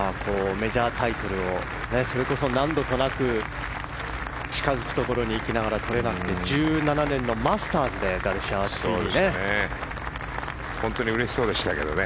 メジャータイトルをそれこそ何度となく近づくところにいきながらとれなくて１７年のマスターズでガルシアは、ついにね。